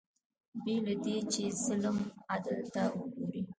بې له دې چې ظلم عدل ته وګوري